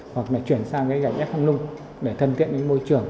hoặc là chuyển sang gạch f lung để thân thiện với môi trường